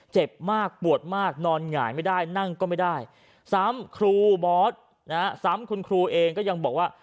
เจ็บมากปวดมากนอนหงายไม่ได้นั่งก็ไม่ได้ซ้ำครูบอสนะฮะซ้ำคุณครูเองก็ยังบอกว่า